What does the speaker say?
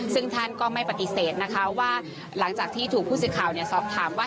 ซึ่งท่านก็ไม่ปฏิเสธนะคะว่าหลังจากที่ถูกผู้สื่อข่าวสอบถามว่า